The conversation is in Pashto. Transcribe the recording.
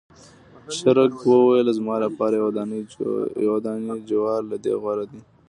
چرګ وویل چې زما لپاره یو دانې جوار له دې غوره دی.